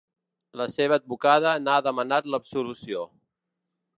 La seva advocada n’han demanat l’absolució.